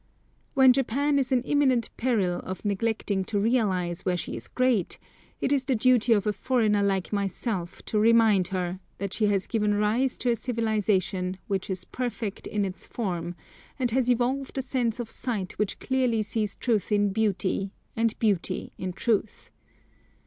When Japan is in imminent peril of neglecting to realise where she is great, it is the duty of a foreigner like myself to remind her, that she has given rise to a civilisation which is perfect in its form, and has evolved a sense of sight which clearly sees truth in beauty and beauty in truth.